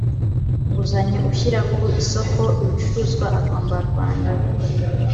nguzanyo ushyira ku isoko ibicuruzwa agomba rwanda